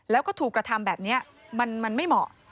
แล้วก็ถูกกระทำแบบนี้มันไม่เหมาะ